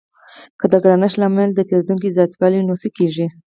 که د ګرانښت لامل د پیرودونکو زیاتوالی وي نو څه کیږي؟